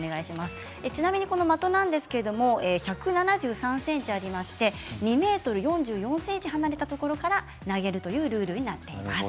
ちなみに的ですけれど１７３ｃｍありまして２ｍ４４ｃｍのところから投げるというルールになっています。